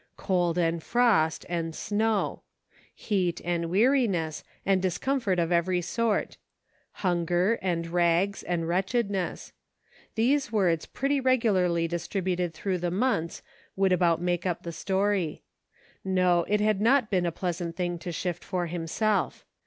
Cold and frost, and snow ; heat and weariness, and discomfort of 36 PRACTICING. every sort ; hunger and rags, and wretchedness ; those words pretty regularly distributed through the months would about make up the story. No, it had not been a pleasant thing to shift for him self.